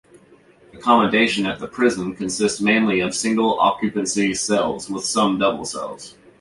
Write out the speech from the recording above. Accommodation at the prison consists mainly of single occupancy cells, with some double cells.